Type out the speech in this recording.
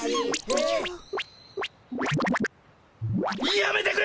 やめてくれ！